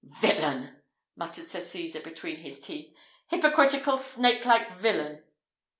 "Villain!" muttered Sir Cesar, between his teeth; "hypocritical, snake like villain!"